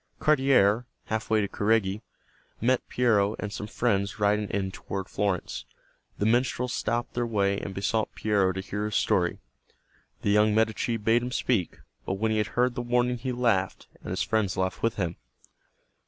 Cardiere, half way to Careggi, met Piero and some friends riding in toward Florence. The minstrel stopped their way and besought Piero to hear his story. The young Medici bade him speak, but when he had heard the warning he laughed, and his friends laughed with him.